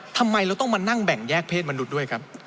ทำไมเราต้องมานั่งแบ่งแยกเศษมนุษย์ด้วยครับ